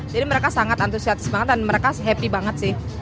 jadi mereka sangat antusias banget dan mereka happy banget sih